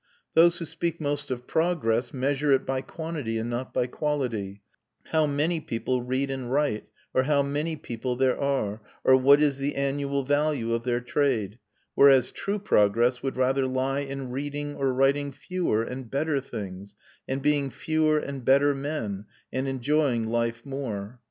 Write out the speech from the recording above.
Those who speak most of progress measure it by quantity and not by quality; how many people read and write, or how many people there are, or what is the annual value of their trade; whereas true progress would rather lie in reading or writing fewer and better things, and being fewer and better men, and enjoying life more.